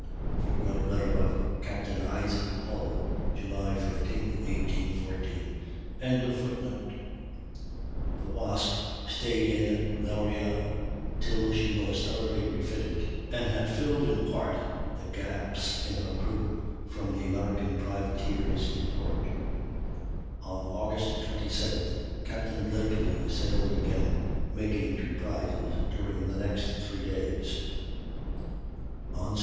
[Footnote: Letter of Capt. Isaac Hull, July 15. 1814.] The Wasp stayed in l'Orient till she was thoroughly refitted, and had filled, in part, the gaps in her crew, from the American privateers in port. On Aug. 27th, Captain Blakely sailed again, making two prizes during the next three days. On Sept.